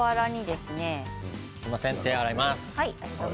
すみません、手を洗います。